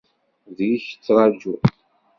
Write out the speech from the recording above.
Deg-k i ttraǧuɣ.